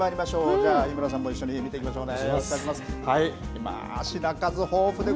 じゃあ、井村さんも一緒に見てみましょうね。